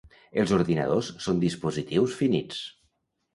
Els ordinadors són dispositius finits.